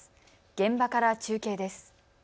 現場から中継です。